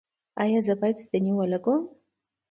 ایا زه باید ستنې ولګوم؟